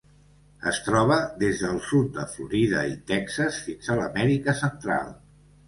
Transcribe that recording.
Es troba des del sud de Florida i Texas fins a l'Amèrica Central.